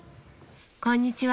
こんにちは。